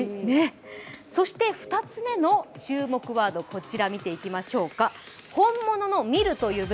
２つめの注目ワードを、こちら見ていきましょうか。